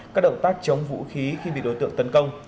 các động tác chống vũ khí khi bị đối tượng tấn công